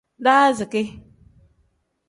Daaziki.